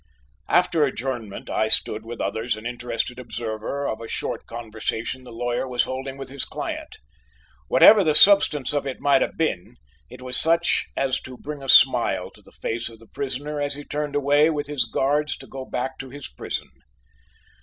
After adjournment I stood with others an interested observer of a short conversation the lawyer was holding with his client. Whatever the substance of it might have been, it was such as to bring a smile to the face of the prisoner as he turned away with his guards to go back to his prison.